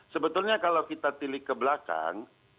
sebetulnya kalau kita tilik ke belakang